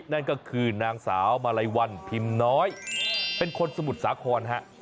นั่นก็คือนางสาวมาลัยวันพิมพ์น้อยเป็นคนสมุทรสาครฮะ